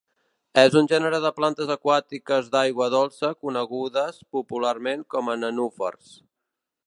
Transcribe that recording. És un gènere de plantes aquàtiques d'aigua dolça conegudes popularment com a nenúfars.